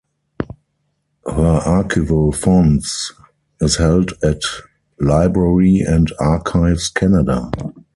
Her archival fonds is held at Library and Archives Canada.